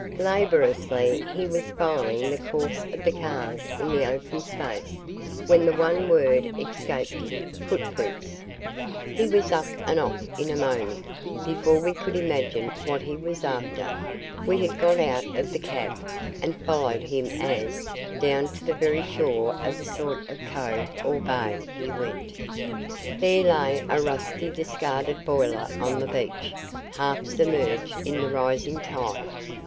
Laboriously he was following the course of the cars in the open space, when the one word escaped him, "Footprints!" He was up and off in a moment, before we could imagine what he was after. We had got out of the cab, and followed him as, down to the very shore of a sort of cove or bay, he went. There lay a rusty, discarded boiler on the beach, half submerged in the rising tide.